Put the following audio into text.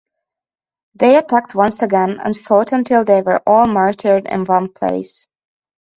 They attacked once again and fought until they were all martyred in one place.